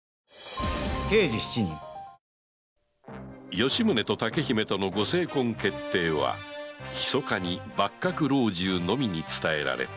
吉宗と竹姫とのご成婚決定は秘かに幕閣老中のみに伝えられた